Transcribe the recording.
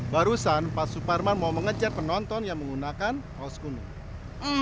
barusan pak suparman mau mengejar penonton yang menggunakan kaos kuning